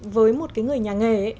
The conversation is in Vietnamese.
với một người nhà nghề ấy